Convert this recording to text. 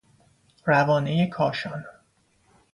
روانهی کاشان